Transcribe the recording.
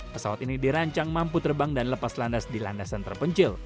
pesawat ini dirancang mampu terbang dan lepas landas di landasan terpencil